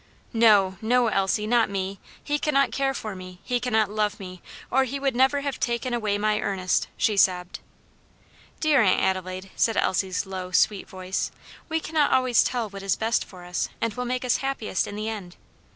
"No, no, Elsie! not me! He cannot care for me! He cannot love me, or he would never have taken away my Ernest," she sobbed. "Dear Aunt Adelaide," said Elsie's low, sweet voice, "we cannot always tell what is best for us, and will make us happiest in the end.